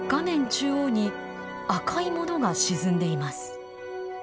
中央に赤いものが沈んでいます。